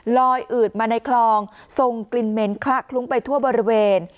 อืดมาในคลองทรงกลิ่นเหม็นคละคลุ้งไปทั่วบริเวณ